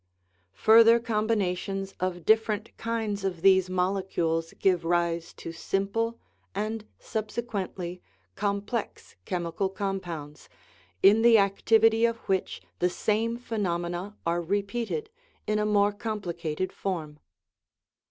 Further combinations of different kinds of these mole cules give rise to simple and, subsequently, complex chemical compounds, in the activity of which the same phenomena are repeated in a more complicated form.